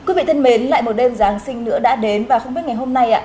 nhân mến lại một đêm giáng sinh nữa đã đến và không biết ngày hôm nay